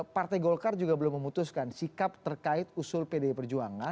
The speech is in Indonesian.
partai golkar juga belum memutuskan sikap terkait usul pdi perjuangan